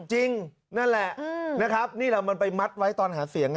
จริงนั่นแหละนะครับนี่เรามันไปมัดไว้ตอนหาเสียง